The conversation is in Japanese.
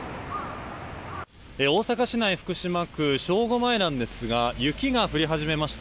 大阪市内福島区正午前なんですが雪が降り始めました。